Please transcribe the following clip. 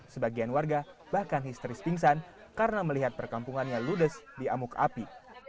sebagian warga bahkan histeris pingsan karena melihat perkampungannya ludes di amuk api